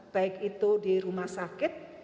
baik itu di rumah sakit